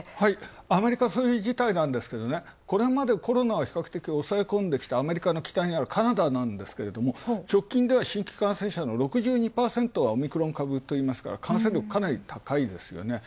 アメリカ、そういう事態なんですが、これまでコロナは比較的、押さえ込んできたアメリカの北にあるカナダなんですが、直近では新規感染者の６２％がオミクロン株といいますから感染力、かなり高いですよね。